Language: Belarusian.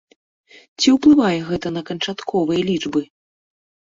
Ці ўплывае гэта на канчатковыя лічбы?